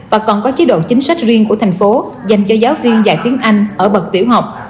mà còn có chế độ chính sách riêng của thành phố dành cho giáo viên dạy tiếng anh ở bậc tiểu học